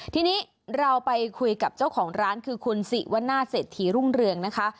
ทีนี้เราไปคุยกับเจ้าของร้านคือคุณสิวนาเศรษฐีรุ่งเรืองนะคะ